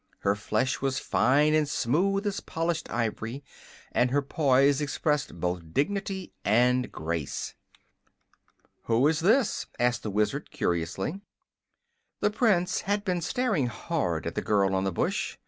Her flesh was fine and smooth as polished ivory, and her poise expressed both dignity and grace. "Who is this?" asked the Wizard, curiously. The Prince had been staring hard at the girl on the bush.